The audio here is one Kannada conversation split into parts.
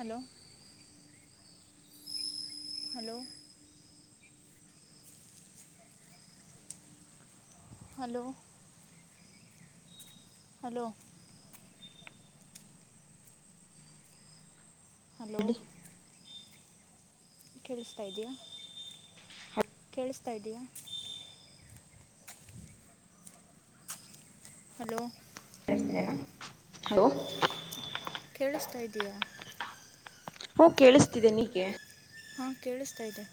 Hello. Hello.. hello.. hello.. hello. ಹೇಳಿ ಕೇಳಿಸ್ತಾ ಇದೀೆಯಾ ಕೇಳಿಸ್ತಾ ಇದೀಯಾ ಹಲೋ. ಹಲೋ. ಕೇಳಿಸ್ತಾ ಇದಯಾ ಹೋ ಕೇಳಿಸ್ತಿದೆ ನೀಗೆ ಹಾ ಕೇಳಿಸ್ತಾ ಇದೆ..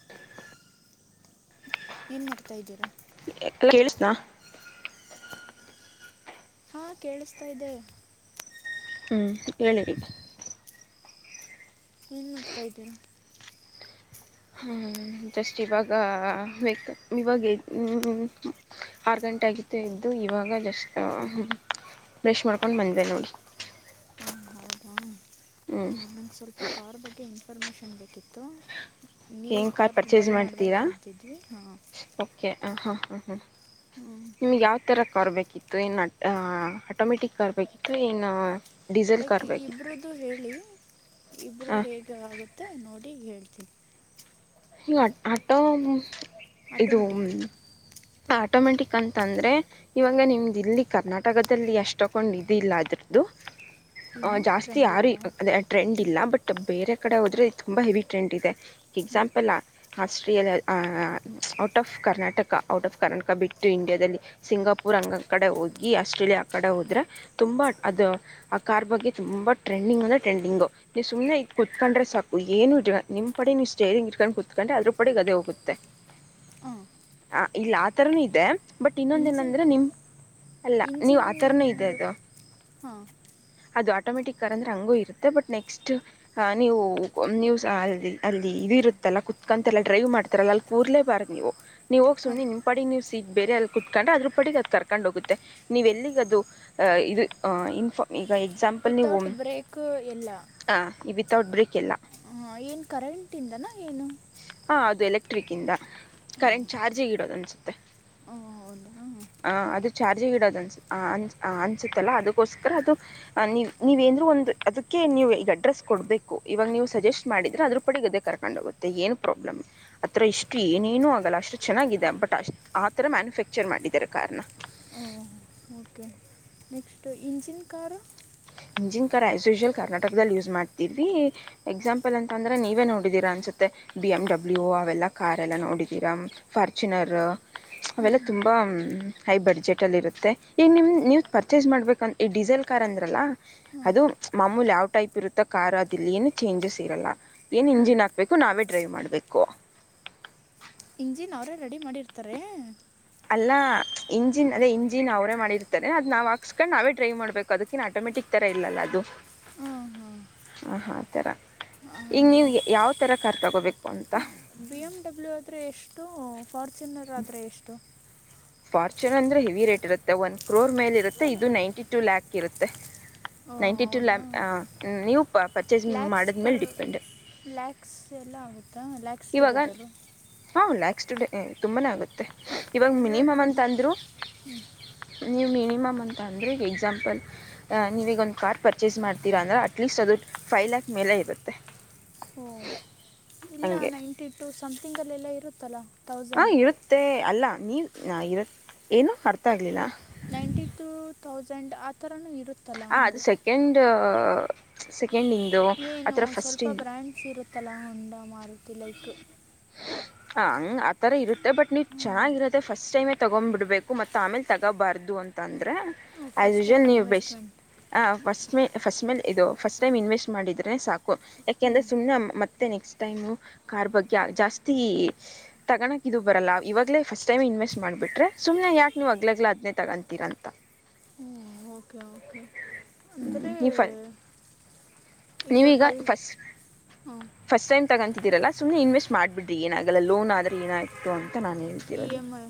ಏನು ಮಾಡ್ತಾ ಇದ್ದೀರಾ ಕೇಳಿಸನಾ ಹಾಂ ಕೇಳಿಸ್ತಾ್ದೆ ಹ್ಮ್ ಹೇಳಿರಿ ನೀನ್ ಮಾಡ್ತಾ ಇದ್ದೀರಾ ಹ್ಮ ಜಸ್ಟ್ ಇವಾಗಕ್ ಇವಾಗ ಆರ್ ಗಂಟೆ ಆಗಿತೆ ಇದ್ದು ಇವಾಗ ಜಸ್ಟ್ ಬ್ರಶ್ ಮಾಡ್ಕೊಂಡ್ ಬಂದೆ ನೋಡಿ ಹಾ ಹೌದಾ ಹ ನಂಗೆ ಸ್ವಲ್ಪ ಕಾರ್ ಬಗ್ಗೆ ಇನ್ಫಾರ್ಮೇಷನ್ ಬೇಕಿತ್ತು ನೀವು ಏನ್ ಕಾರ್ ಬೈ ಪರ್ಚೇಸ್ ಮಾಡಬೇಕು ಮಾಡ್ತೀರಾ ಅಂತಿದ್ರವಿ ಹಾಂ ಓಕೆ ಹಾಂ ಹಾಂ ಹಾಂ ಹಾಂ ಹ್ಞೂ ನಿಮ್ಗೆ ಯಾವ ಥರ ಕಾರ್ ಬೇಕಿತ್ತು ಏನು ಆಟೋಮೆಟಿಕ್ ಕಾರ್ ಬೇಕಿತ್ತು ಏನು ಡೀಸೆಲ್ ಲೈಕ್ ಕಾರ್ ಬೇಕಿತ್ತು ಇಬರುದು ಹೇಳಿ ಇಬರು ಹಾಂ ಹೇಗೆ ಆಗುತ್ತೆ ನೋಡಿ ಹೇಳ್ತೀಿ ಇ ಆಟೋ ಇದು ಆಟೋಮೆಟಿಕ್ ಆಟೋಮೆಟಿಕ್ ಅಂತಂದರೆ ಇವಾಗ ನಿಮ್ದ ಇಲ್ಲಿ ಕರ್ನಾಟಕದಲ್ಲಿ ಎಷ್ಟ್ ತಕೊಂಡ್ ಇದಿಲ್ಲ ಅದ್ರದ್ದು ಹ ಏನು ಜಾಸ್ತಿ ಟ್ರೆಂಡ್ ಯಾರ ಇಲ್ವಾ ಅದೇ ಟ್ರೆಂಡ್ ಇಲ್ಲ ಬಟ್ ಬೇರೆ ಕಡೆ ಹೋದ್ರೆ ತುಂಬಾ ಹೆವಿ ಟ್ರೆಂಡ್ ಇದೆ ಎಕ್ಸಾಂಪಲ್ ಆಸ್ಟ್ರಿಯಲ್ಲಿ out of Karnataka out of Karnataka ಬಿಟ್ಟು ಇಂಡಿಯಾದಲ್ಲಿ ಸಿಂಗಾಪುರ್ ಹಂಗ ಕಡೆ ಹೋಗಿ ಆಸ್ಟ್ರೇಲಿಯಾ ಕಡೆ ಹೋದ್ರೆ ತುಂಬಾ ಅದು ಆ ಕಾರ್ ಬಗ್ಗೆ ತುಂಬಾ ಟ್ರೆಂಡಿಂಗ್ ಅಂದೆ ಟ್ರೆಂಡಿಂಗು ನೀವು ಸುಮ್ನೆ ಇದ್ ಕುತ್ಕೊಂಡ್ರೆ ಸಾಕು ಏನು ಇ ನಿಮ್ಮ್ಡೆ ನೀವು ಸ್ಟೈಂಗ ಚಕ್ಕ್ ಕುೂತ್ಕೊಂಡೆ ಅದ್ರ ಪಡೆ ಗದೆೆ ಹೋಗುತ್ತೆ ಹಾಂ ಆ ಇಲ್ಲ ಆತರನೂ ಇದೆ ಬಟ್ ಇನ್ನೊಂದ ಇಂಜಿನ್ ಏನಂದ್ರೆ ನಿಮ್ ಅಲ್ಲ ನೀವು ಇಂಜಿನ್ ಆತರನ ಇದೆ ಇದು ಅದು ಹಾಂ ಅದು ಆಟೋಮೆಟಿಕ್ ಕರ್ ಅಂದ್ರೆ ಹಂಗೂ ಇರುತ್ತೆ ಬಟ್ ನೆಕ್ಸ್ಟ್ ಹಾ ನೀವು ನೀವು ಅ ಅಲ್ಲಿ ಇದು ಇರುತ್ತಲ್ಲಾ ಕುತ್ಕಂತೆಲ್ಲಾ ಡ್ರೈವ್ ಮಾಡ್ತಾರಲ್ಲ ಕೂರ್ಲೇ ಪೋ ನೀವ ಹೋಗಿ ಹಾಂ ಸುಮಿ ನಿ್ ಪಗ್ ನೀವು ಸೀಟ್ ಬೇರೆ ಎಲ್ಲ ಕುತ್ಕೊಂಡ್ರೆ ಅದ್ರ ಪಡೆಗ್ ಅದು ಕರ್ಕೊಂಡ್ ಹೋಗುತ್ತೆ ನೀವ ಎಲ್ಲಿಗ್ ಅದು ಇದು ಇನ್ಫ ಈಗ ಎಕ್ಸಾಂಪಲ್ ನೀವು ವಿತೌಟ್ ಬ್ರೇಕ್ ಹ ವಿತೌಟ್ ಬ್ರೇಕ್ ಎಲ್ಲ ಹ ಏನ್ ಕರೆಂಟ್ ಇಂದನಾ ಏನು ಹಾ ಅದು ಎಲೆಕ್ಟ್ರಿಕ್ ಇದ ಕರೆಂಟ್ ಚಾರ್ಜಿಗ ಇಡೋದುಂದಸ ಓಹ್ಮ್ ಹಾ ಹ ಅದು ಚಾರ್ಜಿ ಇಡೋದು ಅನ್ಸ ಅನ್ ಅನ್ಸುತ್ತಲ್ಲ ಅದಕ್ಕೋಸ್ಕರ ಅದು ನೀವು ನೀವೇಂದ್ರು ಒಂದು ಅದಕ್ಕೆ ನೀವು ಈಗ ಅಡ್ರೆಸ್ ಕೊಡ್ಬೇಕು ಇವಾಗ ನೀವು ಸಜೆಸ್ಟ್ ಮಾಡಿದ್ರೆ ಅದ್ರ ಪಡೆ ಗದ್ದೇ ಕರ್ಕೊಂಡ್ ಹೋಗುತ್ತು ಮ ಏನು ಪ್ರಾಬ್ಲಮ್ ಆ ತ್ರರ ಇಷ್ಟು ಏನೇನುೂ ಆಗೋಲ್ಲ ಅಷ್ಟು ಚೆನ್ನಾಗಿದೆ ಬಟ್ ಅಷ್ಟ ಆ ಥರ ಮ್ಯಾನುಫ್ಯಾಕ್ಚರ್ ಮಾಡಿದ್ದಾರೆ ಕಾರನ್ನ ಓ ಓಕೆ ನೆಕ್ಸ್ಟು ಇಂಜಿನ್ ಕಾರು ಹಂಜಿನ್ ಕರಐಸ್ ಯೂಶಲ್ ಕರ್ನಾಟಕದಲ್ಲಿ ಯೂಸ್ ಮಾಡ್ತರ್ವಿ ಎಕ್ಸಾಂಪಲ್ ಅಂತ ಅಂದ್ರೆ ನೀವೇ ನೋಡಿದೀರಾ ಅನ್ಸುತ್ತೆ ಬಿ ಎಮ್ ಡಬ್ಲ್ಯೂ ಅವೆಲ್ಲ ಕಾರ್ ಎಲ್ಲ ನೋಡಿದೀರಾ ಫಾರ್ಚುನರ್ ಹಾಂ ಅವೆಲ್ಲ ತುಂಬಾ ಹೈ ಬಡ್ಜೆಟಲ್ಲಿ ಇರುತ್ತೆ ಈಗ ನಿಮ ನೀವು ಪರ್ಚೇಸ್ ಮಾಡ್ಬೇಕಂತ ಈ ಡೀಸೆಲ್ ಕಾರ್ ಅಂದ್ರಲ್ಲ ಹಾಂ ಅದು ಮಾಮೂಲಿ ಯಾವ್ ಟೈಪ್ ಇರುತ್ತ ಕಾರ್ ಅದಲ್ಲಿ ಏನು ಚೇಂಜಸ್ ಇರಲ್ಲ ಏನ್ ಹಾಂ ಇಂಜಿನ್ ಹಾಕ್ಬೇಕು ನಾವೇ ಡ್ರೈವ್ ಮಾಡ್ಬೇಕು ಇಂಜಿನ್ ಅವ್ರೇ ರೆಡಿ ಮಾಡಿರ್ತಾರೆ ಅಲ್ಲ ಹಾಂ ಇಂಜಿನ್ ಅದೇ ಇಂಜಿನ್ ಅವರೇ ಮಾಡಿರ್ತಾರೆ ಅದ ನಾವು ಹಾಕ್ಸ್ಕೊಂಡು ನಾವೇ ಡ್ರೈವ್ ಮಾಡ್ಬೇಕು ಅದುಕಿ ಆಟೋಮೆಟಿಕ್ ತರ ಇಲ್ಲ ಅದು ಹ್ಮ್ ಹಾಂ ಹಾ ಆ ಥರ ಈಗ ಹಾಗೆ ನೀವು ಯಾವ ಥರ ಕಾರ್ ತೊಗೋಬೇಕು ಅಂತ ಈ ಬಿ ಎಮ್ ಡಬ್ಲ್ಯೂ ಆದ್ರೆ ಎಷ್ಟು ಫಾರ್ಚುನರ್ ಆದ್ರೆ ಎಷ್ಟು ಫಾರ್ಚುೂನ್ ಅಂದರೆ ಹೆವಿ ರೇಟ್ ಇರುತ್ತೆ ಒನ್ ಕ್ರೋರ್ ಮೇಲೆ ಇರುತ್ತೆ ಇದು ನೈಂಟಿ ಟೂ ಲ್ಯಾಕ್ ಇರುತ್ತೆ ಓ ನೈಂಟಿ ಟು ಲ್ಯಾ ಹೌದಾ ನೀವು ಪರ್ಚೇಸ್ ಲ್ಯಾಕ್ಸ್ ಮಾಡಿದ್ಮೇಲೆ ಪರ್ ಡಿಪೆಂಡ್ ಲ್ಯಾಕ್ಸ್ ಎಲ್ಲ ಆಗುತ್ತಾ ಲ್ಯಾಕ್ಸ್ ಇವಾಗ ಟುಗೆದರು ಹಾಂ ನೆಕ್ಸ್ಟ್ ಡೇ ತುಂಬಾ ಆಗುತ್ತೆ ಇವಾಗ ಲೈಕ್ ಮಿನಿಮಮ್ ಅಂತಂದರು ನೀವು ಮಿನಿಮಮ್ ಅಂತಂದರೆ ಈಗ ಎಕ್ಸಾಂಪಲ್ ನೀವೀಗೊಂದು ಕಾರ್ ಪರ್ಚೇಸ್ ಮಾಡ್ತೀರಾ ಅಂದ್ರೆ ಅಟ್ಲೀಸ್ಟ್ ಅದು ಫೈ ಲ್ಯಾಕ್ ಮೇಲೆ ಇರುತ್ತೆ ಓಹ ಇಲ್ಲ ಹಂಗೆ ನೈಂಟಿ ಟು ಸಮಥಿಂಗಲ್ಲೆಲ್ಲ ಇರುತ್ತಲ್ಲ ಹಾಂ ತೌಸಂಡ್ ಇರುತ್ತೆ ಅಲ್ಲ ನೀವು ಇರ ಏನು ಅರ್ಥ ಆಗ್ಲಿಲ್ಲ ನೈಂಟಿ ಟು ತೌಸಂಡ್ ಆ ಥರನೂ ಇರುತ್ತೆ ಹ ಅದು ಸೆಕೆಂಡ್ ಸೆಕೆಂಡ್ ಇ ಏನು ಸ್ವಲ್ಪ ಬ್ರ್ಯಾಂಡ್ಸ್ ಇರುತ್ತಲ್ಲ ಹೋಂಡಾ ಮಾರುತಿ ಲೈಕ್ ಹ ಹಂಗ್ ಆತರ ಇರುತ್ತೆ ಬಟ್ ನೀವು ಹ್ಞೂ ಚೆನ್ನಾಗಿರತ್ತೆ ಫಸ್ಟ್ ಟೈಮ್ೇ ತಗೊಂಡ್ ಬಿಡ್ಬೇಕು ಮತ್ತ ಆಮೇಲೆ ತಗೋಬಾರ್ದು ಅಂತ ಅಂದ್ರೆ ಐ ಫಸ್ಟ್ ಟೈಮ್ ಯಶಲ್ ನೀವು ಬೆಸ್ ಇನ್ವೆಸ್ಟ್ಮೆಂಟ್ ಫಸ್ಟ್ ಮೇ ಫಸ್ಟ್ ಮೇಲೆ ಇದು ಫಸ್ಟ್ ಟೈಮ್ ಇನ್ವೆಸ್ಟ್ ಮಾಡಿದರೆ ಸಾಕು ಹ್ಞೂ ಯಾಕೆಂದ್ರೆ ಸುಮ್ ಮತ್ತೆ ನೆಕ್ಸ್ಟ್ ಟೈಮು ಕಾರ್ ಬಗ್ಗೆ ಜಾಸ್ತಿ ತಗೋಕಕ್ಿದದು ಬರಲ್ಲ ಇವಾಗೇ ಫಸ್ಟ್ ಟೈಮ ಇನ್ವೆಸ್ಟ್ ಮಾಡಿಬಿ್ರೆ ಸುಮನೆ ಯಕಕ್ ನೀವು್ಗ್ಲಗ್ಲ ಅದನೇ ತಗೊತೀರ ಅಂತ ಹ್ಞೂ ಓಕೆ ಓಕೆ ಅಂದರೆ ನೀವು ಫ ಈಗ ನೀವೀಗ ಕಲ್ ಫಸ್ಟ್ ಹ್ಞ ಫಸ್ಟ್ ಟೈ್ ತಗೊಂತಿದ್ದರಲ್ಲ ಸಮ್ಮ ಇವೆಸ್ಟ್ ಮಾಡಬಿಡಿಿ ಏನಲ್ಲ ಲೋ ಆದರೆ ಏನಾಯಿತ ಅಂತಾನು ಇ ಹೇಳತಿ ಎಮ್ ಐ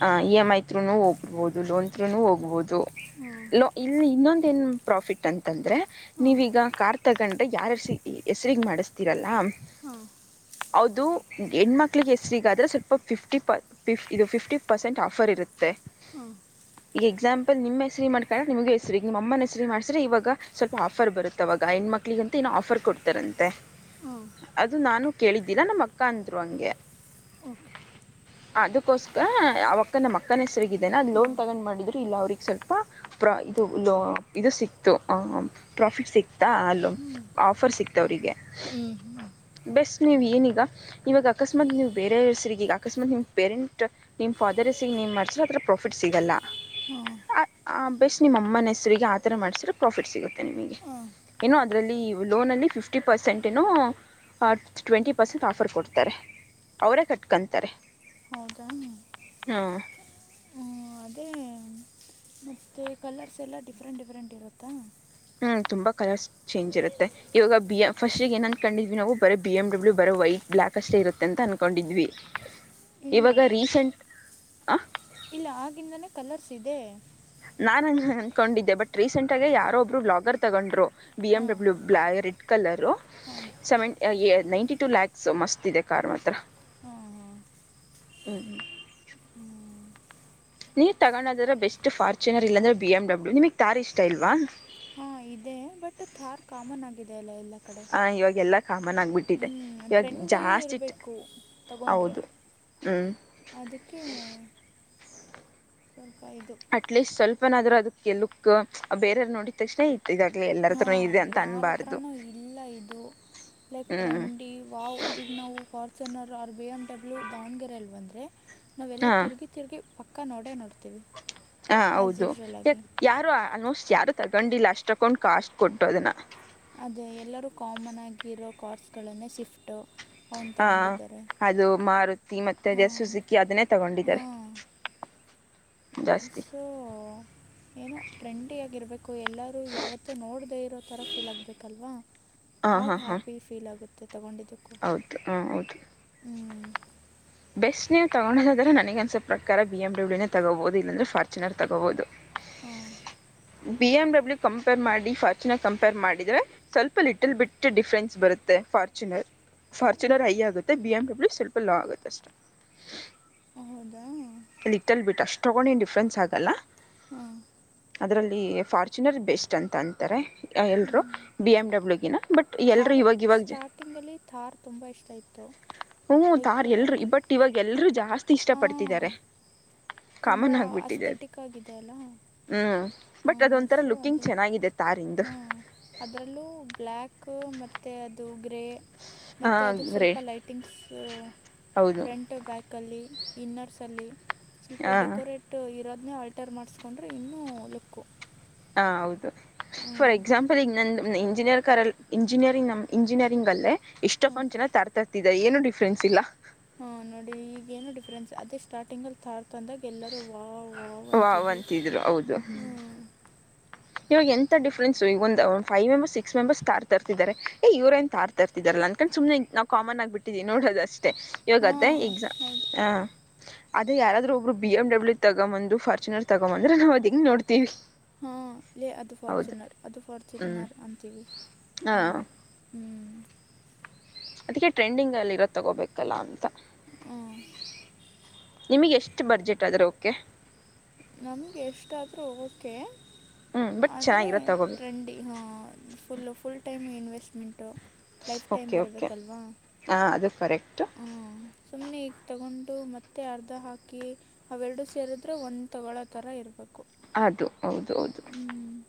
ಹ ಇ ಎಮ್ ಐ ತ್ರೂನು ಹೋಗ್ಬಹುದು ಲೋನ್ ತ್ರೂನು ಹೋಗ್ಬಹದು ಹಾ ಇಲ್ಲಿ ಇನ್ನೊಂದ ಏನು ಪ್ರಾಫಿಟ್ ಅಂತಂದ್ರೆ ಹಾಂ ನೀವೀಗ ಯಾರ್ ತಗೊಂಡ್ರೆ ಯಾರಾರ್ಸ ಹೆಸ್ರಗ್ ಮಾಡಸ್ತಿರಲ್ಲಾ ಹಾಂ ಹೌದು ಹೆಣ್ಮಕ್ಳಿಗೆ ಹೆಸ್ರಗಾದ್ರೆ ಸ್ವಲ್ಪ ಫಿಫ್ಟಿ ಪ ಫಿಫ ಇದು ಫಿಫ್ಟಿ ಪರ್ಸೆಂಟ್ ಆಫರ್ ಇರುತ್ತೆ ಹಾಂ ಈಗ ಎಕ್ಸಾಂಪಲ್ ನಿಮ್ಮ ಹೆಸರು ಮಾಡ್ಕೊಂಡಣ ನಿಮಗೆ ಹೆಸರಿ ನಿಮ್ಮನ ಹೆಸರು ಮಾಡಸ್ರರಿ ಇವಾಗ ಸ್ವಲ್ಪ ಆಫರ್ ಬರುತ್ತೆ ಅವಾಗ ಹೆಣ್ಣು ಮಕ್ಳಿಗಂತೂ ಇನ್ನೂ ಆಫರ್ ಕೊಡ್ತಾರಂತೆ ಹಾಂ ಅದು ನಾನು ಕೇಳಿದ್ದೀರ ನಮ್ಮ ಅಕ್ಕ ಅಂದ್ರು ಹಂಗೆ [unintelligible] ಅದಕ್ಕೋಸ್ಕ ಯಾವಕ್ಕ ನಮ್ಮ ಅಕ್ಕನ ಹೆಸರಿಗಿದ್ದಾನ ಅ ಹಾಂ ಲೋನ್ ತಗೊಂಡ್ ಮಾಡಿದ್ರರು ಇಲ್ಲ ಅವ್ರಿಗೆಗ್ ಸ್ವಲ್ಪ ಇದು ಇದು ಸಿಕ್ತು ಪ್ರಾಫಿಟ್ ಸಿಕ್ತ ಾ ಅಲ್ಲೋ ಹ್ಞೂ ಆಫರ್ ಸಿಕ್ತ ಅವ್ರಿಗೆ ಹ್ಞೂ ಹ್ಞೂ ಬೆಸ್ಟ್ ನೀವ್ ಏನೀಗ ಇವಾಗ ಅಕಸ್ಮಾತ್ ನೀವು್ ಬೇರೆ ಹೆಸರಿಗೆ ಈಗ ಅಕಸ್ಮಾತ್ ನಿಮ್ ಪೇರೆಂಟ್ ನಿಮ್ಮ ಫಾದರಸಗ ನೀವು ಮಾಡರ್ಸ್ರ ಹದತ್ರರ ಪ್ರಾಫಿಟ್ ಸಿಗಲ್ಲ ಹಾಂ ಬೆಸ್ಟ್ ನಿಮ್ಮ ಅಮ್ಮನ ಹೆಸರಿಗೆ ಆ ಥರ ಮಾಡ್ಸ್ರೆ ಪ್ರಾಫಿಟ್ ಸಿಗುತ್ತೆ ನಿಮಗೆ ಹಾಂ ಏನೋ ಅದ್ರಲ್ಲಿ ಲೋನ ಅಲ್ಲಿ ಫಿಫ್ಟಿ ಪರ್ಸೆಂಟ್ ಏನೋ ಟ್ವೆಂಟಿ ಪರ್ಸೆಂಟ್ ಆಫರ್ ಕೊಡ್ತಾರೆ ಅವರೇ ಕಟ್ಕೊತಾರೆ ಹೌದಿ ಹಾ ಅದೇ ಮತ್ತು ಕಲರ್ಸ್ ಎಲ್ಲ ಡಿಫ್ರೆಂಟ್ ಡಿಫ್ರೆಂಟ್ ಇರುತ್ತಾ ಹ್ಞ ತುಂಬ ಕಲರ್ಸ್ ಚೇಂಜ್ ಇರುತ್ತೆ ಇವಾಗ ಬಿ ಎ ಫಸ್ಟ್ ಏನನ್ ಕೊಂಡಿದ್ ನಾವು ಬ ಬಿ ಎಮ ಡಬ್ಲ್ಯ ಬರ ವೈಟ್ ಬ್ಲ್ಾಕ್ಷ್ಟೇ ಇರುತ್ತ ಅಂದನ್ಕೊಂಡಿದ್ವಿ [unintelligible] ಇವಾಗ ರೀಸೆಂಟ್ ಹ ಇಲ್ಲ ಆಗಿಂದನೇ ಕಲರ್ಸ್ ಇದೆ ನಾನು ಅನ್ಕೊಂಡಿದ್ದೆ ಬಟ್ ರೀಸೆಂಟ್ಗ ಯಾರೊಬ್ರು ಬ್ಲಾಗರ್ ತಗೊಂಡ್ರು ಬಿ ಎಮ್ ಹಾಂ ಡಬ್ಲ್ಯೂ ಬ್ ರೆಡ್ ಕಲರು ಹಾಂ ಸೆವೆಂ ನೈಂಟಿ ಟು ಲ್ಯಾಕ್ಸ್ ಮಸ್ತ್ ಇದೆ ಕಾರ್ ಮಾತ್ರ ಹಾ ಹಾ ಹ್ಮ್್ಮ ನೀರ್ ತಗೋದ್ರ ಬೆಸ್ಟ್ ಫಾರ್ಚುನರ್ ಇಲ್ಲಂದ್ರ ಬಿ ಎಮ್ ಡಬ್ಲ್ಯೂ ನಿಮಗ್ ತಾರ್ ಇಷ್ಟ ಇಲ್ವಾ ಹಾಂ ಇದೆ ಬಟ್ ಥಾರ್ ಕಾಮನ್ ಆಗಿದೆ ಅಲ್ಲ ಎಲ್ಲ ಕಡೆ ಹಾಂ ಇವಾಗೆಲ್ಲ ಕಾಮನ್ಾಗಿಿಬಿಟ್ಟಿದೆ ಹ್ಞೂ ಟ್ರೆಂಡೇ ಇರಬೇಕು ತಗೊಂಡ್ರೆ ಹೌದು ಹ್ಮ್ ಅದಕ್ಕೆ ಸ್ವಲ್ಪ ಇದು ಅಟ್ ಲೀಸ್ಟ್ ಸ್ವಲ್ಪನಾದ್ರು ಅದಕ್ಕೆ ಲುಕ್ ಬೇರೆಯವರು ನೋಡಿದ ತಕ್ಷಣ ಈಗಾಗ್ಲಿ ಎಲ್ಲ ಹಾ ಯಾರ ಹತ್ರನೂ ಇಲ್ಲ ಇದು ಹ್ಮ್ ಇಲೆಕ್ಟ್ರಂಡಿ ವಾವ್ ಈಗ ನಾವು Fortuner or B M W ದಾವಣಗೆರೆೆಯಲ್ಲಿ ಬಂದ್ರೆ ನಾವ್ಲ್ಲ ಹಾ ತಿರುಗಿ ತಿರುಗಿ ಪಕ್ಕ ನೋಡೇ ನೋಡ್ತೀವಿ ಹಾ ಹ ಹೌದು ಜೀಡ್ರಲ್ಲಾಗಿ ಯಾಕ್ ಯಾರು ಆಲ್ಮೋಸ್ಟ್ ಯಾರು ತಗೊಂಡಿಲ್ಲ ಅಷ್ಟು ತಕ್ಕೊಂಡು ಕಾಸ್ಟ್ ಕೊಟ್ಟು ಅದನ್ನು ಅದೇ ಎಲ್ಲರೂ ಕಾಮನ್ ಆಗಿ ಇರೋ ಕಾರ್ಸ್ಗಳನ್ನೇ ಶಿಫ್ಟು ಅವನು ಹಾ ತಗೊಂಡಿದ್ದಾರೆ ಅದು ಮಾರುತಿ ಮತ್ತೆ ಅದ ಹಾಂ ಸುಸುಕಿ ಅದನ್ನೇ ತಗೊಂಡಿದ್ದಾರೆ ಹಾಂ ಜಾಸ್ತಿ ಸೊ ಏನೋ ಟ್ರೆಂಡಿಯಾಗಿರಬೇಕು ಎಲ್ಲರೂ ಯಾವತ್ತೂ ನೋಡದೇ ಇರೋ ಥರ ಫೀಲ್ ಆಗಬೇಕಲ್ವಾ ಹಾ ಆಗ ಹಾ ಹಾ ಹ್ಯಾಪಿ ಫೀಲ್ ಆಗುತ್ತೆ ತಗೊಂಡಿದ್ದಕ್ಕೂ ಹೌದು ಹಾ ಹೌದು ಹ್ಮ್ ಬೆಸ್ಟ್ ನೀವು ತಗೋದಾದ್ರೆ ನನಗ ಒಂದಸವಪ ಪ್ರಕಾರ ಬಿ ಎಮ ಬ್ಲ್ಯೂನ ತಗೋಬಹುದು ಇಲ್ಲಂದ್ರೆ ಾರ್ಚುನರ್ ತಗೋಬಹುದು ಹಾ ಬಿ ಎಮ್ ಡಬ್ಲ್ಯೂ ಕಂಪೇರ್ ಮಾಡಿ ಫಾರ್ಚುನರ್ ಕಂಪೇರ್ ಮಾಡಿದರೆೆ ಸ್ವಲ್ಪ ಲಿಟ್ಲ್ ಬಿಟ್ಟು ಡಿಫ್ರೆನ್ಸ್ ಬರುತ್ತೆ ಫಾರ್ಚುನರ್ ಫಾರ್ಚುನರ್ ಐ ಆಗುತ್ತೆ ಬಿ ಎಮ್ ಡಬ್ಲ್ಯೂ ಸ್ವಲ್ಪ ಲೋ ಆಗುತ್ತೆಷ್ಟೆ ಹೌದಾ ಅಲ್ಲಿ ಇಟ್ಟಲ್ಲಿ ಬಿಟ್ಟು ಅಷ್ಟೊಗೊಂಡ ನೀ ಡಿಫ್ರನ್ಸ್ ಆಗಲ್ಲ ಹ್ಮ್ ಅದರಲ್ಲಿ ಫಾರ್ಚುನರ್ ಬೆಸ್ಟ್ ಅಂತ ಅಂತಾರೆ ಹ್ಞೂ ಎಲ್ಲರೂ ಬಿ ಎಮ್ ಡಬ್ಲ್ಯೂಗಿನ ಬಟ್ ಎಲ್ಲರೂ ಥಾರ್ ಇವಾಗ ಇವಾಗ ಜ ಸ್ಟಾರ್ಟಿಂಗಲ್ಲಿ ಥಾರ್ ತುಂಬ ಇಷ್ಟ ಇತ್ತು ಹ್ಞೂ ಲೈಕ್ ತಾರ್ ಎಲ್ಲರೂ ಅದು ಬಟ್ ಇವಾಗ ಎಲ್ಲರರುೂ ಜಾಸ್ತಿ ಇಷ್ಟ ಪಡ್ತಿದ್ದಾರೆ ತುಂಬಾ ಅಸ್ಥೆಟಿಕ್ ಆಗಿದೆ ಅಲ್ಲಾ ಹ್ಮ್ ಬಟ್ ಅದ ಒಂಂತರ ಲುಕಿಂಗ್ ಚೆನ್ನಾಗಿದೆ ತಾರಿಂದು ಹಾಂ ಅದರಲ್ಲೂ ಬ್ಯಾಕ್ ಮತ್ತು ಅದು ಗ್ರೇ ಮತ್ತೆ ಹಾಂ ಅದಕ್ ರೇ ಸ್ವಲ್ಪ ಲೈಟಿಂಗ್ಸ್ ಹೌದು ಫ್ರಂಟ್ ಬ್ಯಾಕ್ ಲ್ಲಿ ಇನ್ನರ್ಸ್ ಅಲ್ಲಿ ಸ್ವಲ್ಪ ಹಾಂ ಡೆಕೋರೇಟ್ ಬಟ್ ಇರೋದನೇ ಆಲ್ಟರ್ ಮಾಡಿಸ್ಕೊಂಡ್ರೆ ಇನ್ನೂ ಲುಕ್ಕು ಹ ಹೌದು ಹ್ಞೂ ಫಾರ್ ಎಕ್ಸಾಂಪಲ್ ಈಗ ನಂದು ಇಂಜಿನಿಯರ್ ಕಲ್ ಇಂಜಿನಿಯರಿಂಗ್ ನಮ್ ಇಂಜಿನಿಯರಿಂಗ್ ಅಲ್ಲೇ ಹಾಂ ಇಷ್ಟೊಕ್ಕಂ ಜನ ತರತರ್ತಿದ್ದಾರೆ ಏನು ಡಿಫ್ರೆನ್ಸ್ ಇಲ್ಲ ಹಾ ನೋಡಿ ಈಗ ಏನು ಡಿಫ್ರೆನ್ಸ್ ಅದೇ ಸ್ಟಾರ್ಟಿಂಗ್ ಅಲ್ಲಿ ತಾರ್ತಂದಾಗ ಎಲ್ಲರೂ ವ ವ್ ವ್ಂತಿದ್ರು ಹೌದು ಇವಾಗ ಎಂತ ಡಿಫ್ರನ್ಸ್ ಈ ಒಂದಂದು ಫೈವ್ೆಂಬರ್ ಸಿಕ್ಸ್ ಮೆಂಬರ್ಸ್ ತಾರ್ ತರ್ತಿದಿದ್ದಾರೆ ಇವ್ರೇನ್ ತ ರ್ತಿದಾರಲ್ಲ ಅನ್ಕೊಂಡು ಸುಮ್ಮನೆ ನಾವವು ಕಾಮನ್ ಆಗ್ಿಬಿಟ್ಟಿದೀವಿ ನೋಡೋದಷ್ಟೇ ಯವಾಗಾದ ಹಾಂ ಎಕ್ಸಾಮ ಹೌದು ಹ ಅದ ಯಾರಾದ್ರ ಒಬ್ರು ಬಿ ಎ ಡಬ್ಲ್ಯ ತಗೊಂಬಂದು ಾರ್ಚುನರ್ ತಗೊಂಬಂದ್ರ ನವು ಅದಿಂಗ ನೋಡ್ತೀವಿ ಹಾಂ ಲೇ ಅದು ಹೌದು ಫಾರ್ಚುನರ್ ಅದು ಹ್ಮ್ ಫಾರ್ಚುನರ್ ಅಂತೀವಿ ಹಾ ಹಾಗೆ ಹ್ಮಞ ಅದಕ್ಕೆ ಟ್ರೆಂಡಿಂಗ್ ಅಲ್ಲಿ ಇರೋ ತಗೋಬೇಕಲ್ಲ ಅಂತ ಹ ನಿಮಗೆ ಎಷ್ಟ ಬಡ್ಜೆಟ್ ಆದ್ರೆ ಓಕೆ ನಮ್ಗೆ ಎಷ್ಟಾದ್ರೂ ಓಕೆ ಹ್ಮ್ ಬಟ್ ಆದರೆ ಚೆನ್ನಾಗಿರೋ ತಗೋಬೇಕು ಟ್ರೆಂಡಿ ಹ full full time investment life time okay okay ಬರಬೇಕಲ್ವಾ ಹಾ ಅದು ಕರೆಕ್ಟ್ ಹ್ಞ ಸುಮ್ಮನೆ ಈಗ ತಗೊಂಡು ಮತ್ತೆ ಅರ್ಧ ಹಾಕಿ ಅವೆರಡು ಸೇರಿದ್ರೆ ಒಂದು ತಗೊಳ್ಳೋ ಥರ ಇರಬೇಕು ಅದು ಹೌದು ಹೌದು ಹ್ಞೂ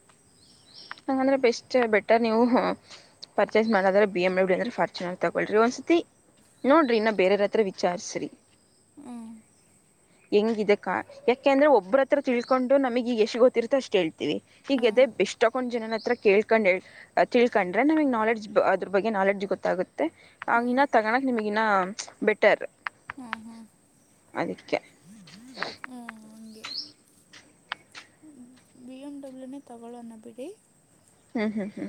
ಹಂಗಂದ್ರೆ ಬೆಸ್ಟ್ ಬೆಟರ್ ನೀವು ಪರ್ಚೇಸ್ ಮಾಡದ್ರೆ ಬಿ ಎಂ ಬಿ ಅ್ರೆ ಫರ್ಚ ಮಾಡ ತಗಳ್ರಿ ಒಂದ್ಸತಿ ನೋಡ್ರಿ ನಾ ಬೇರೆಯರ ಹತ್ರ ವಿಚಾರಸ್ರಿ ಹ್ಮ್ ಹೆಂಗಿದೆಕ್ಕಾ ಯಾಕೆಂದ್ರೆ ಒಬ್ಬ್ರ ಹತ್ರ ತಿಳ್ಕೊಂಡು ನಮಗಗೆ ಎಷ್ಟು ಗೊತ್ತಿರ್ತೋ ಅಷ್ಟು ಹೇಳ್ತೀವಿ ಹ್ಞೂ ಹ್ಞೂ ಹೀಗದ ಬೆ ಇ ತೊಕೊಂಡ್ ಜನ ಹತ್ರ ಕಳ್ಕೊಂಡ್ ತಿಳ್ಕೊಂಡ್ರೆ ನಮಗ್ ನಾಲೆಜ್ ಅದ್ರ ಬಗ್ಗೆ ನಾಲೆಡ್ಜ್ ಗೊತ್ತಾಗುತ್ತೆ ಮತ್ತ ಹ್ಞೂ ಆಂಗ ಇನ್ನ ತಗಣಕ್ ನಿಮಗನ್ನ ಬೆಟರ್ ಹ್ಮ್ ಹಾ್ ಅದಕ್ಕೆ ಹಗೆ ಹ್ಮ್ ಬಿಎಮಂಡಡಬ್ಲ್ಯೂನೇ ತಗೊೊಳ್ಳೋ ಅನ್ನ ಬಿಿಡಿ ಹ್ಮ್ ಹ್ಮ್ ಹ್ಮ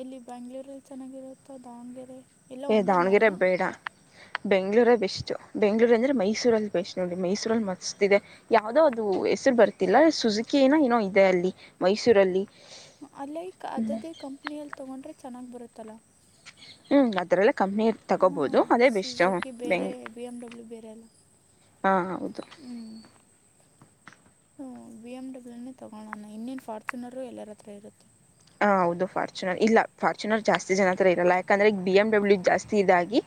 ಇಲ್ಲಿ ಬೆಂಗ್ಳೂರಲ್ಲಿ ಚೆನ್ನಾಗಿರುತ್ತೋ ದಾವಣಗೆರೆ ಎಲ್ಲ ಒಂದೇ ದಾವಣಗೆ ಮಾಲ್ನ ರೆಬ್ಬ ಡ ಬೆಂ್ಳೂರ ಬೆಸ್ು ಬೆಂಗ್ಳೂರು ಅಂದರೆ ಮೈಸೂರಲ್ಲಿ ಬೆಸ್ಟ್ ನೋಡಿರಿ ಮೈಸೂರಲ್ಲಿ ಮಸ್ತ ಇಿದೆ ಯಾವ್ದೋ ಅದು ಹೆಸರು ಬರ್ತಿಲ್ಲ ಸುಜುಕಿನ ಏನೋ ಇದೆ ಅಲ್ಲಿ ಮೈಸೂರಲ್ಲಿ ಲೈಕ್ ಹ್ಞೂ ಅದ್ದೇ ಕಂಪ್ನಿಯಲ್ಲಿ ತೊಗೊಂಡ್ರೆ ಚೆನ್ನಾಗಿ ಬರುತ್ತಲ್ಲ ಹ್ಞೂ ಅ ಥರಲ್ಲ ಕಮ್ಮನಿ ತಗೋಬೋದು ಹಾಂ ಅದೇ ಬೆಸ್ಟು ಸುಜುಕಿ ಬೆಂ ಬೇರೆ ಬಿ ಎಮ್ ಡಬ್ಲ್ಯೂ ಬೇರೆ ಅಲ್ಲ ಹಾ ಹೌದು ಸೊ ಬಿ ಎಂ ಡಬ್ಲ್ೂ ತಗೋಣ ಇನ್ನೇನ್ ಫಾರ್ಚುನರ್ ಎಲ್ಲರ ಹತ್ರ ಇರುತ್ತೆ ಹ ಹೌದು ಫಾರ್ಚುನರ್ ಇಲ್ಲ ಫಾರ್ಚುನರ್ ಜಾಸ್ತಿ ಜನ ಹತ್ರರಲ್ಲ ಯಾಕಂದ್ರೆ ಬಿ ಎಮ ಡಬ್ಲ್ಯ ಜಾಸ್ತಿ ಇದಾಗಿ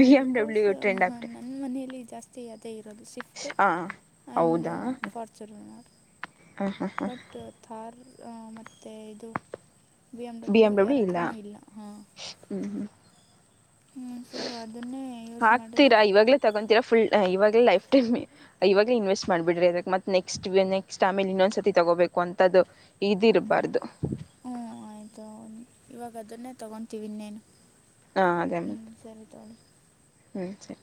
B M because W trend ಆಗ್ಬಿಟ್ಟೆ ನನ್ನ ಮನೆಯಲ್ಲಿ ಜಾಸ್ತಿ ಅದೇ ಇರೋದು ಶಿಫ್ಟು ಹಾಂ ಹೌದಾ ಚರ್ಾರ್ ಹಾಂ ಹಾಂ ಹಾಂ ಬಟ್ ಥಾರ್ ಮತ್ತು ಇದು ಬಿ ಎಮ್ ಡಬ್ಲ್ಯೂ ಯಾರ ಹತ್ರನೂ ಇಲ್ಲ ಹಾಂ ಹ್ಮ್ ಹ್ಮ್ ಹ್ಮ ಸೊ ಅದನ್ನೇ ಯೂಸ್ ಮಾಡಿದವಿ ತಗೊಂತಿರಾ ಫುಲ್ ಇವಾಗ ಲೈಫ್ ಟೈಮ್ ಇವಾಗಲ ಇನ್ವೆಸ್ಟ್ ಮಾಡ್ಬಿ್ರಿ ಇದ ಮತ್ತ ನೆಕ್ಸ್ಟ್ ನೆಸ್ಟ್ ಆಮೇಲೆ ಇನ್ನೊಂದ್ ಸತಿ ತಗೋಬೇಕು ಅಂತದು ಇದಿರಬಾರ್ದು ಹ್ಮಞ ಆಯ್ತು ಇವಾಗ ಅದನ್ನೇ ತಗೊತೀವಿನ್ ನೇನು ಹ್ಮ್ ಸರಿ ತಳಿ ಹ್ಞ ಸರಿ